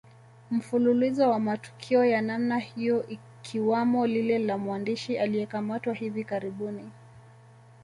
Mfululizo wa matukio ya namna hiyo ikiwamo lile la mwandishi aliyekamatwa hivi karibuni